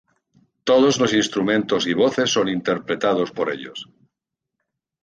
Todos los instrumentos y voces son interpretados por ellos.